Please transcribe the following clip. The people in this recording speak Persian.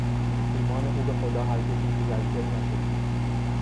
ایمان او به خدا هرگز متزلزل نشد.